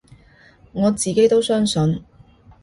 我自己都相信